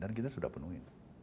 dan kita sudah penuhi